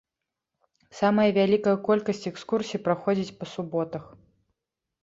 Самая вялікая колькасць экскурсій праходзіць па суботах.